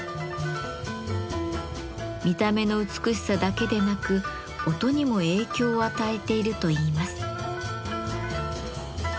見た目の美しさだけでなく音にも影響を与えているといいます。